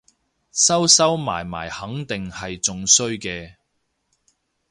收收埋埋肯定係仲衰嘅